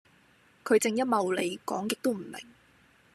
佢正一茂里，講極都唔明